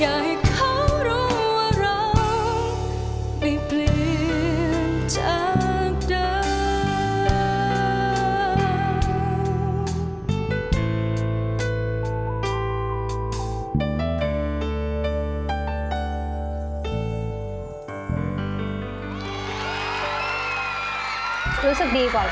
อยากให้เขารู้ว่าเราได้เปลี่ยนจากเดิม